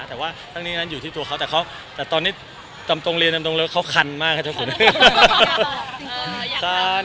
แต่ว่าตั้งนี้อยู่ที่ตัวเขาแต่ตอนนี้ตำตงเรียนตำตงเลิกเขาคันมากค่ะเจ้าขุน